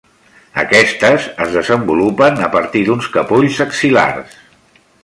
Aquestes es desenvolupen a partir d'uns capolls axil·lars.